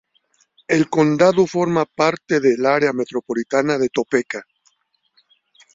El condado forma parte de área metropolitana de Topeka.